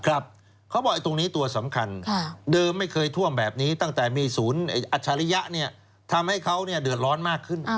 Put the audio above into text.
เขาบอกตรงนี้ตัวสำคัญเดิมไม่เคยท่วมแบบนี้ตั้งแต่มีศูนย์อัจฉริยะเนี่ยทำให้เขาเดือดร้อนมากขึ้น